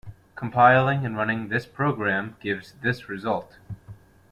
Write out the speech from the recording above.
Compiling and running this program gives this result.